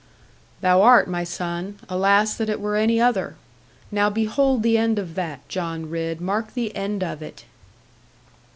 'That thou art, my son. Alas that it were any other! Now behold the end of that; John Ridd, mark the end of it.'